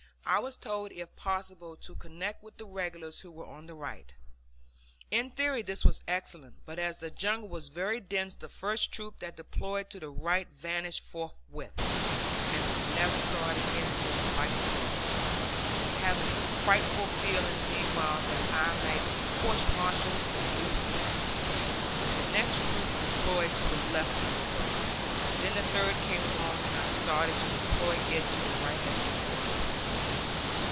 I was told if possible to connect with the regulars who were on the right. In theory this was excellent, but as the jungle was very dense the first troop that deployed to the right vanished forthwith, and I never saw it again until the fight was over having a frightful feeling meanwhile that I might be court martialed for losing it. The next troop deployed to the left under Brodie. Then the third came along, and I started to deploy it to the right as before.